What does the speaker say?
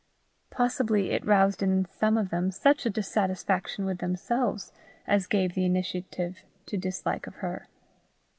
Possibly it roused in some of them such a dissatisfaction with themselves as gave the initiative to dislike of her.